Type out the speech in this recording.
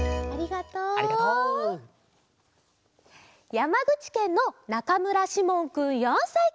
やまぐちけんのなかむらしもんくん４さいから。